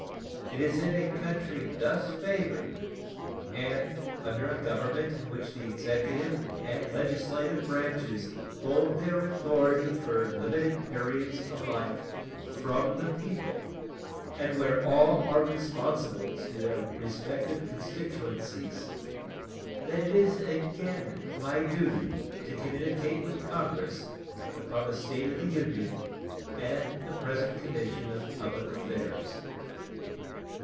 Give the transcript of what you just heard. It is in a country thus favored, and under a Government in which the executive and legislative branches hold their authority for limited periods alike from the people, and where all are responsible to their respective constituencies, that it is again my duty to communicate with Congress upon the state of the Union and the present condition of public affairs.